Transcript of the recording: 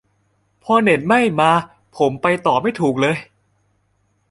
พอเน็ตไม่มาผมไปต่อไม่ถูกเลย